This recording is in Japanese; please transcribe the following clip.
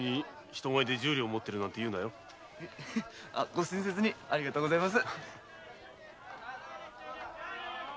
ご親切にありがとうございます。